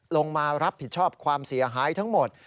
ลงมารับผิดชอบความเสียหายทั้งหมด